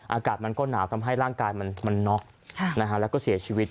อากาศมันก็หนาวทำให้ร่างกายมันน็อกแล้วก็เสียชีวิต